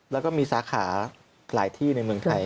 แล้วก็มีสาขาหลายที่ในเมืองไทย